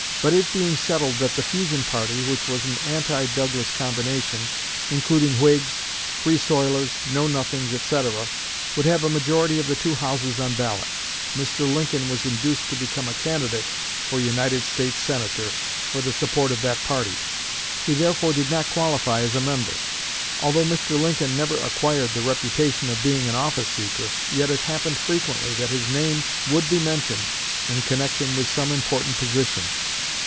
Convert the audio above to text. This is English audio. "But it being settled that the Fusion party which was an anti Douglas combination, including Whigs, Free Soilers, Know Nothings, etc. would have a majority of the two houses on ballot, Mr. Lincoln was induced to become a candidate for United States Senator, for the support of that party. He therefore did not qualify as a member. Although Mr. Lincoln never acquired the reputation of being an office seeker, yet it happened frequently that his name would be mentioned in connection with some important position.